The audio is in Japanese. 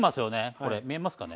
これ見えますかね？